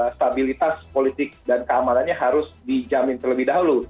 stabilitas politik dan keamanannya harus dijamin terlebih dahulu